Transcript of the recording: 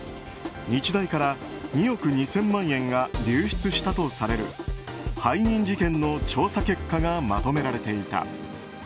日大から２億２０００万円が流出したとされる背任事件の調査結果がまとめられていた。